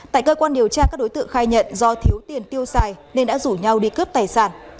tại cơ quan điều tra các đối tượng khai nhận do thiếu tiền tiêu xài nên đã rủ nhau đi cướp tài sản